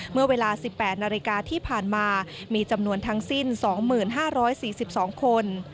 เมื่อเวลา๑๘นาฬิกาที่ผ่านมามีจำนวนทั้งสิ้น๒๕๔๒คน